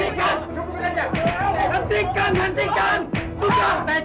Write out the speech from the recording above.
iya kurang ajar